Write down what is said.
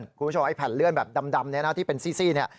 คุณผู้ชมแผ่นเลื่อนแบบดำนี้นะที่เป็นซี่นี้